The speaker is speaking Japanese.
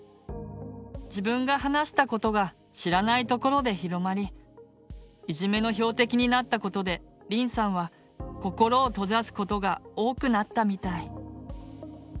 自分が話したことが知らないところで広まりいじめの標的になったことでりんさんは心を閉ざすことが多くなったみたい。